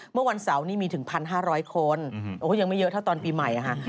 เมื่อวันเสาร์นี้มีถึง๑๕๐๐คนยังไม่เยอะเท่าตอนปีใหม่ค่ะ